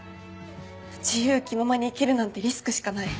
自由気ままに生きるなんてリスクしかない。